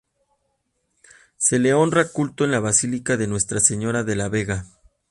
Se le honra culto en la basílica de Nuestra Señora de la Vega.